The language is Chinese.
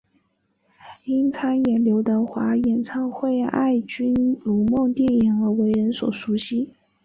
因参演刘德华演唱会及爱君如梦电影而为人所熟悉。